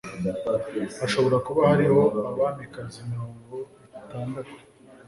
Hashobora kuba hariho abamikazi mirongo itandatu